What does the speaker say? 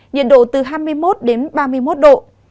nhiệt độ từ hai mươi một đến ba mươi một độ